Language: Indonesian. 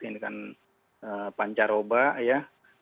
ini kan pancar oba ya